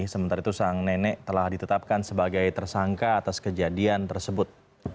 sementara itu sang nenek telah ditetapkan sebagai tersangka atas kejadian tersebut